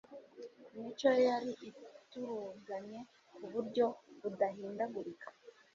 Imico ye yari ituruganye ku buryo budahindagurika.